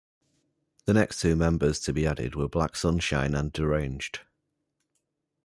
The next two members to be added were Black Sunshine and Deranged.